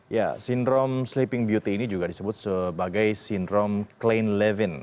ya sindrom sleeping beauty ini juga disebut sebagai sindrom clean levin